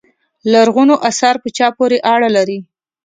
لرغونو اثار په چا پورې اړه لري.